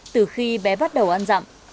từ khi bé bắt đầu ăn dặm